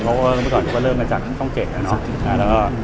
เขาก็คราวตอนนี้ก็เริ่มมาจากช่องเก่นแล้วเนาะ